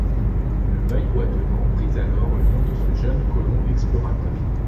Le bayou attenant pris alors le nom de ce jeune colon explorateur.